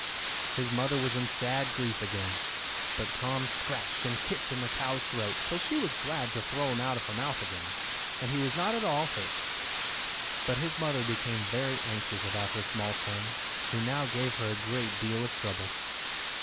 His mother was in sad grief again; but Tom scratched and kicked in the cow's throat till she was glad to throw him out of her mouth again, and he was not at all hurt; but his mother became very anxious about her small son, who now gave her a great deal of trouble.